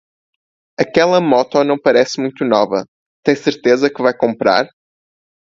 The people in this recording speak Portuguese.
Aquela moto não parece muito nova, tem certeza que vai comprar.